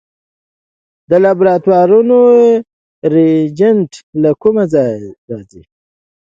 د لابراتوارونو ریجنټ له کومه راځي؟